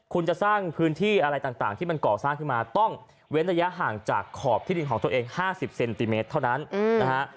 คุณจะสร้างพื้นที่อะไรต่างที่มันก่อสร้างขึ้นมาต้องเว้นระยะห่างจากขอบที่ดินของตัวเอง๕๐เซนติเมตรเท่านั้นนะฮะ